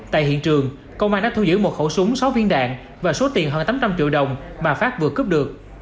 tại hiện trường công an đã thu giữ một khẩu súng sáu viên đạn và số tiền hơn tám trăm linh triệu đồng mà phát vừa cướp được